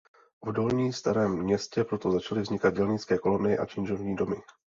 V Dolním Starém Městě proto začaly vznikat dělnické kolonie a činžovní domy.